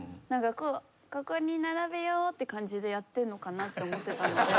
「ここに並べよう」って感じでやってるのかなと思ってたので。